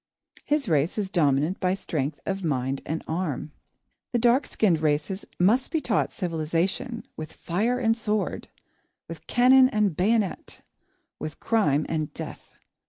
His race is dominant by strength of mind and arm. The dark skinned races must be taught civilisation, with fire and sword, with cannon and bayonet, with crime and death.